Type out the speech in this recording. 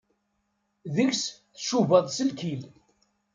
Deg-s tcubaḍ s lkil.